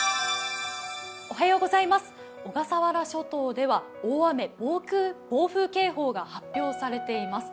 小笠原諸島では大雨・暴風警報が発表されています。